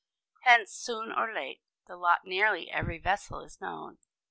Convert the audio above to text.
Hence, soon or late, the lot of nearly every vessel is known.